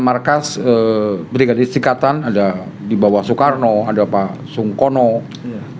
markas brigadir istikatan ada di bawah soekarno ada pak sungkono dan sebagainya wali kota surabaya